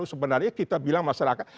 sebenarnya kita bilang masyarakat